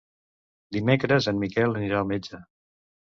Dimecres en Miquel anirà al metge.